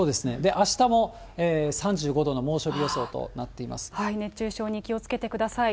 あしたも３５度の猛暑日予想とな熱中症に気をつけてください。